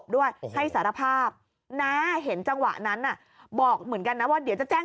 ด้วยให้สารภาพน้าเห็นจังหวะนั้นบอกเหมือนกันนะว่าเดี๋ยวจะแจ้ง